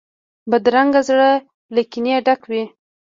بدرنګه زړه له کینې ډک وي